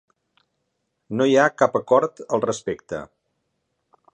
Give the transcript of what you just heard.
No hi ha cap acord al respecte.